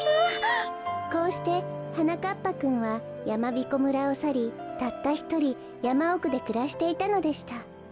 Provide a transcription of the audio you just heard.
こうしてはなかっぱくんはやまびこ村をさりたったひとりやまおくでくらしていたのでした。